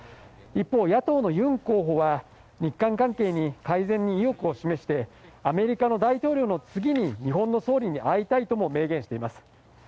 一方、野党のユン候補は日韓関係の改善に意欲を示してアメリカの大統領の次に日本の総理に会いたいとも明言しています。